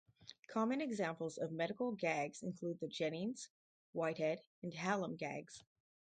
Common examples of medical gags include the Jennings, Whitehead, and Hallam gags.